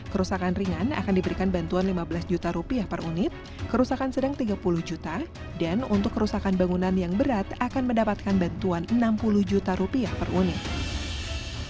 kerusakan ringan akan diberikan bantuan lima belas juta rupiah per unit kerusakan sedang tiga puluh juta dan untuk kerusakan bangunan yang berat akan mendapatkan bantuan enam puluh juta rupiah per unit